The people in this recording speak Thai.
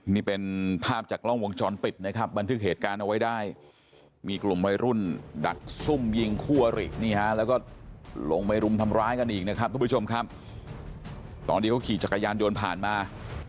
นี่เป็นภาพจากกล้องวงจรปิดนะครับบันทึกเหตุการณ์เอาไว้ได้มีกลุ่มวัยรุ่นดักซุ่มยิงคู่อรินี่ฮะแล้วก็ลงไปรุมทำร้ายกันอีกนะครับทุกผู้ชมครับตอนที่เขาขี่จักรยานยนต์ผ่านมา